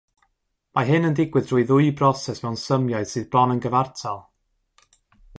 Mae hyn yn digwydd drwy ddwy broses mewn symiau sydd bron yn gyfartal.